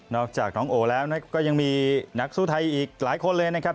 อกจากน้องโอแล้วก็ยังมีนักสู้ไทยอีกหลายคนเลยนะครับ